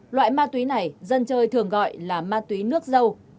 loại ma túy này dân chơi thường gọi là ma túy nước dâu